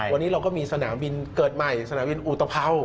วันนี้เราก็มีสนามบินเกิดใหม่สนามบินอุตภัวร์